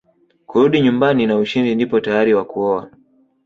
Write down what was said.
kurudi nyumbani na ushindi ndipo tayari wa kuoa